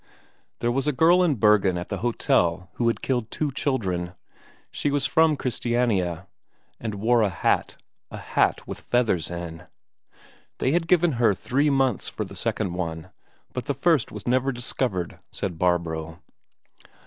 There was a girl in Bergen at the hotel who had killed two children; she was from Christiania, and wore a hat a hat with feathers in. They had given her three months for the second one, but the first was never discovered, said Barbro.